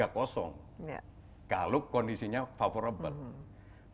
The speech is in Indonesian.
kalau kondisinya favorable